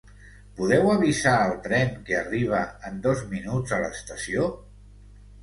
Podeu avisar al tren que arriba en dos minuts a la estació?